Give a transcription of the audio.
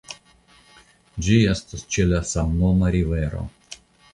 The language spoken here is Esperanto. Ĝi estas ĉe la samnoma rivero.